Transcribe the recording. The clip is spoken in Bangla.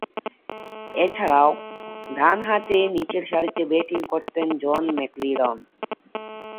এছাড়াও, ডানহাতে নিচেরসারিতে ব্যাটিং করতেন জন ম্যাকলিরন।